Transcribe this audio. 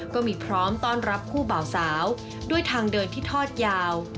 ก็มีพร้อมต้อนรับคู่เบาสาวด้วยทางเดินที่ทอดยาว